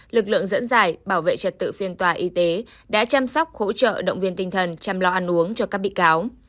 lực lượng dẫn giải bảo vệ trật tự phiên tòa y tế đã chăm sóc hỗ trợ động viên tinh thần chăm lo ăn uống cho các bị cáo